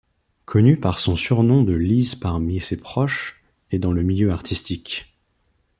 Connu par son surnom de Lis parmi ses proches et dans le milieu artistique.